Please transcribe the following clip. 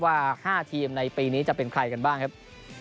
ว่า๕ทีมในปีนี้จะเป็นใครกันบ้างครับ